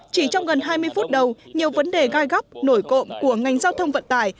chỉ trong gần hai mươi phút đầu nhiều vấn đề gai góc nổi cộng của ngành giao thông vận tải